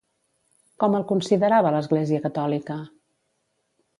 Com el considerava l'Església catòlica?